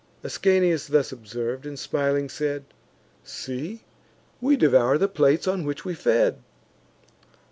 Ascanius this observ'd, and smiling said: "See, we devour the plates on which we fed."